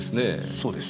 そうです。